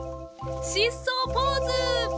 疾走ポーズ！